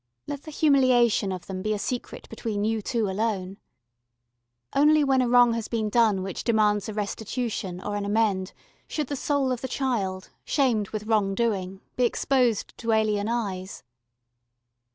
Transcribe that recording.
Let the humiliation of them be a secret between you two alone. Only when a wrong has been done which demands a restitution or an amend should the soul of the child, shamed with wrong doing, be exposed to alien eyes.